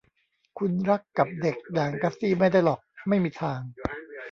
คุณรักกับเด็กอย่างกัสซี่ไม่ได้หรอก ไม่มีทาง